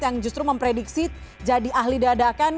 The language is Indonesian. yang justru memprediksi jadi ahli dadakan